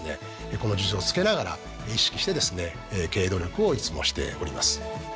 この数珠を着けながら意識してですね経営努力をいつもしております。